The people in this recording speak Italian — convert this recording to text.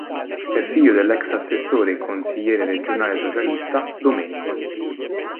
È figlio dell'ex assessore e consigliere regionale socialista, Domenico.